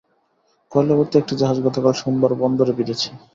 কয়লাভর্তি একটি জাহাজ গতকাল সোমবার বন্দরে ভিড়েছে।